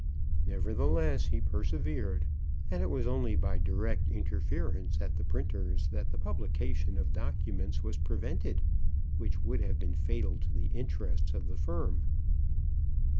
Nevertheless, he persevered, and it was only by direct interference at the printer's, that the publication of documents was prevented which would have been fatal to the interests of the firm.